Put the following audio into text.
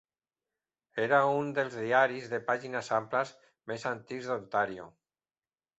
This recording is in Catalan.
Era un dels diaris de pàgines amples més antics d'Ontario.